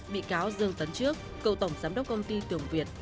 bị cáo dương tấn trước cầu tổng giám đốc công ty tưởng việt